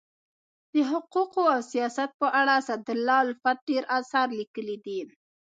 د حقوقو او سیاست په اړه اسدالله الفت ډير اثار لیکلي دي.